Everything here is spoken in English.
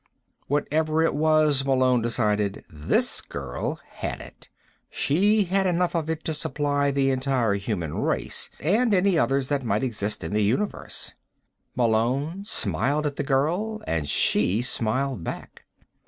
Whatever it was, Malone decided, this girl had it. She had enough of it to supply the entire human race, and any others that might exist in the Universe. Malone smiled at the girl and she smiled back.